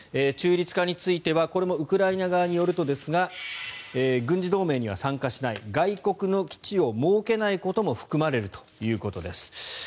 中立化についてはこれもウクライナ側によると軍事同盟には参加しない外国の基地を設けないことも含まれるということです。